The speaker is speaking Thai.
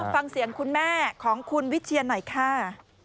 ฟังเสียงคุณแม่ของคุณวิเชียนหน่อยค่ะ